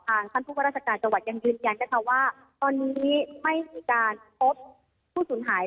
ทางท่านผู้พวกราชการจังหวัดยังยืนยันว่าตอนนี้ไม่เห็นการพบผู้สนหาย